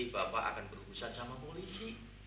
bapak akan berurusan sama polisi